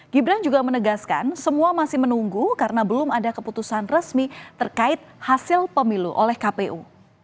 gibran juga menegaskan semua masih menunggu karena belum ada keputusan resmi terkait hasil pemilu oleh kpu